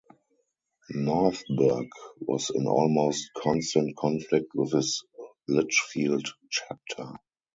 Northburgh was in almost constant conflict with his Lichfield chapter.